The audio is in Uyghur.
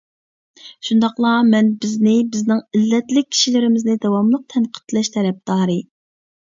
شۇنداقلا، مەن بىزنى، بىزنىڭ ئىللەتلىك كىشىلىرىمىزنى داۋاملىق تەنقىدلەش تەرەپدارى.